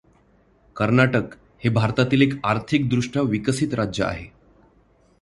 कर्नाटक हे भारतातील एक आर्थिक दृष्ट्या विकसित राज्य आहे.